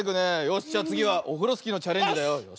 よしじゃあつぎはオフロスキーのチャレンジだよ。